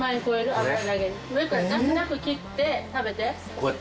こうやって？